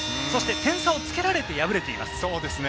点差をつけられて敗れています。